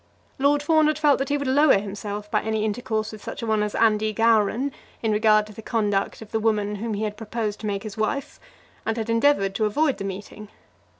Lord Fawn had felt that he would lower himself by any intercourse with such a one as Andy Gowran in regard to the conduct of the woman whom he had proposed to make his wife, and had endeavoured to avoid the meeting.